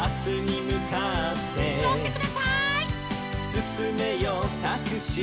「すすめよタクシー」